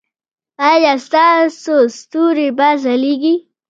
ایا ستاسو ستوري به ځلیږي؟